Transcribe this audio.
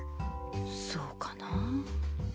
そうかなあ。